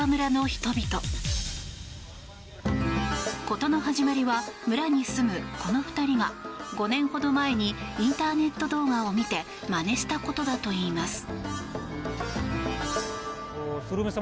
事の始まりは村に住むこの２人が５年ほど前にインターネット動画を見てまねしたことだといいます。